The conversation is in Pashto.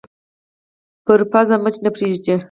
پر پزه مچ نه پرېږدي